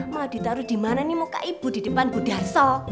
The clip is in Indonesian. malah ditaruh dimana nih muka ibu di depan budarso